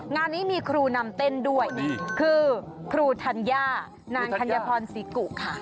งานนี้มีครูนำเต้นด้วยคือครูธัญญานางธัญพรศรีกุค่ะ